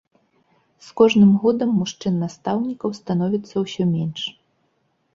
З кожным годам мужчын-настаўнікаў становіцца ўсё менш.